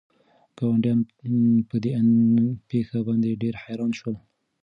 ګاونډیان په دې پېښه باندې ډېر حیران شول.